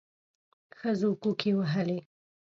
ښځو کوکي وهلې.